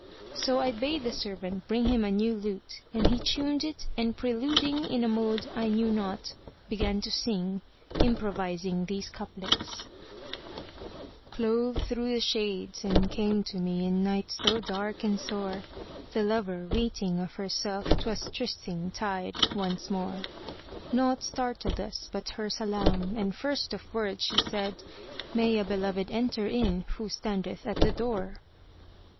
So I bade the servant bring him a new lute and he tuned it and preluding in a mode I knew not began to sing, improvising these couplets, "Clove through the shades and came to me in night so dark and sore * The lover weeting of herself 'twas trysting tide once more: Naught startled us but her salaam and first of words she said * 'May a beloved enter in who standeth at the door!